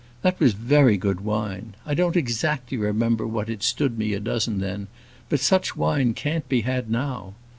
That was very good wine. I don't exactly remember what it stood me a dozen then; but such wine can't be had now.